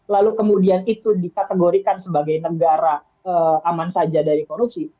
lalu kemudian itu dikategorikan sebagai negara aman saja dari korupsi